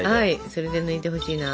それで抜いてほしいな。